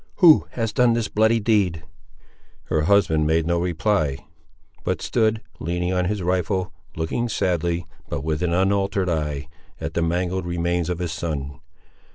Who has done this bloody deed?" Her husband made no reply, but stood, leaning on his rifle, looking sadly, but with an unaltered eye, at the mangled remains of his son.